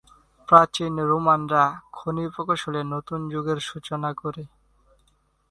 প্রাচীন রোমানরা খনি প্রকৌশলে নতুন যুগের সূচনা করে।